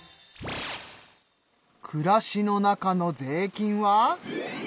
暮らしの中の税金は。